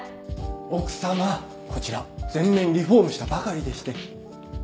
奥さまこちら全面リフォームしたばかりでして。